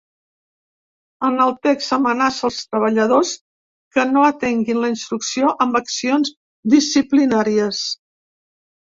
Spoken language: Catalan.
En el text, amenaça els treballadors que no atenguin la instrucció amb accions disciplinàries.